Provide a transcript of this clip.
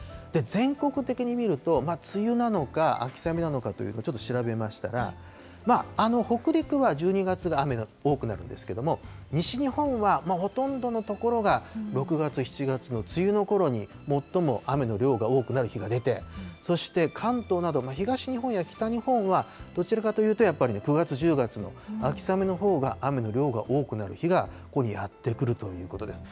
全国的に見ると、梅雨なのか、秋雨なのかということを、ちょっと調べましたら、北陸は１２月が雨が多くなるんですけれども、西日本はもうほとんどの所が６月、７月の梅雨のころに、最も雨の量が多くなる日が出て、そして関東など、東日本や北日本は、どちらかというと、やっぱり９月、１０月の秋雨のほうが雨の量が多くなる日がやって来るということです。